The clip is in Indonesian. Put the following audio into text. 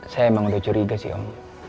saya emang udah curiga sih om